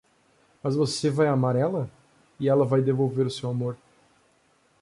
Mas você vai amar ela? e ela vai devolver o seu amor.